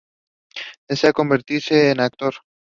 Desea convertirse en actor.